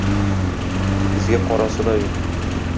Безгә карасы да юк.